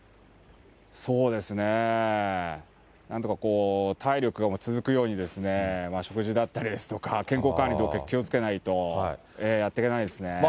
そうですね、なんとか体力が続くようにですね、食事だったりですとか、健康管理とか気をつけないとやってけないですね。